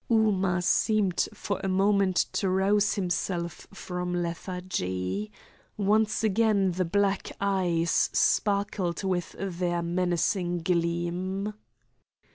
Ooma seemed for a moment to rouse himself from lethargy. Once again the black eyes sparkled with their menacing gleam.